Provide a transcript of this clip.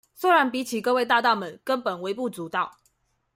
雖然比起各位大大們根本微不足道